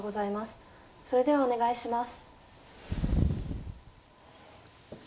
それではお願いします。